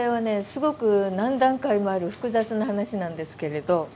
すごく何段階もある複雑な話なんですけれど。